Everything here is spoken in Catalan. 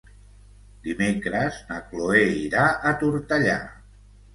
Dimecres na Chloé irà a Tortellà.